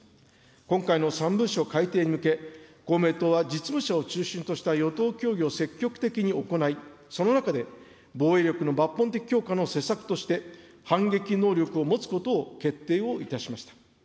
今回の３文書改定に向け、公明党は実務者を中心とした与党協議を積極的に行い、その中で防衛力の抜本的強化の施策として、反撃能力を持つことを決定をいたしました。